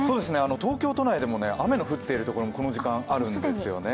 東京都内でも雨の降ってるところ、この時間あるんですよね。